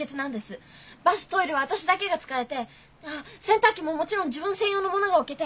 バストイレは私だけが使えてあっ洗濯機ももちろん自分専用のものが置けて。